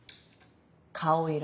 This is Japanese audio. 顔色。